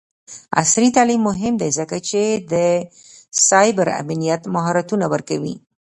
عصري تعلیم مهم دی ځکه چې د سایبر امنیت مهارتونه ورکوي.